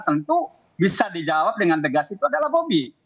tentu bisa dijawab dengan tegas itu adalah bobi